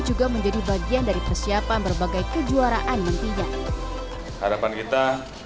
juga menjadi bagian dari persiapan berbagai kejuaraan nantinya harapan kita